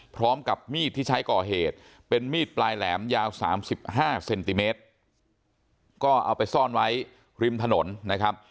พร้อมกับมีดที่ใช้ก่อเหตุเป็นมีดปลายแหลมยาว๓๕เซนติเมตรก็เอาไปซ่อนไว้ริมถนนนะครับ